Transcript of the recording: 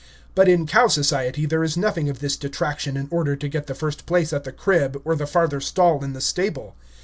But in cow society there is nothing of this detraction in order to get the first place at the crib, or the farther stall in the stable.